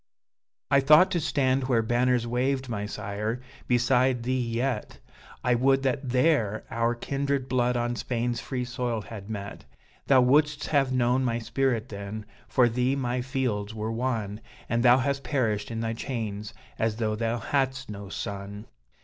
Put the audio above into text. "I thought to stand where banners waved, my sire! beside thee yet I would that there our kindred blood on Spain's free soil had met! Thou wouldst have known my spirit then for thee my fields were won, And thou hast perished in thy chains, as though thou hadst no son!"